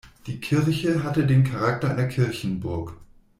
Die Kirche hatte den Charakter einer Kirchenburg.